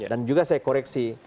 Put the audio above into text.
dan juga saya koreksi